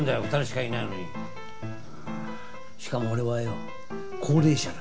しかも俺はよ高齢者だ。